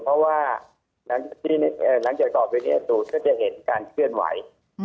เพราะว่าหลังจากต่อไปเนี่ยสูตรก็จะเห็นการเคลื่อนไหว